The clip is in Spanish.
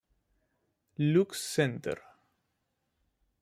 Lux Center.